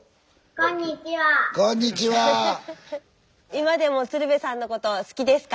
今でも鶴瓶さんのこと好きですか？